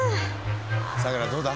さくらどうだ？